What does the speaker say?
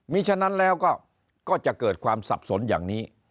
มีฉะนั้นแล้วก็จะเกิดความสับสนอย่างนี้